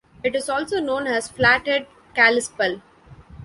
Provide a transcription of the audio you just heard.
It is also known as Flathead-Kalispel.